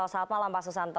selamat malam pak susanto